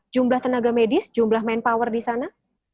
jumlah tenaga medis jumlah manpower di sana